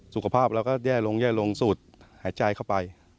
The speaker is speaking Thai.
สุขภาพเราก็แย่ลงสูตรหายใจเข้าไป